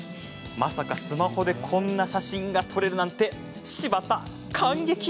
まさかスマホでこんな写真が撮れるなんて柴田、感激！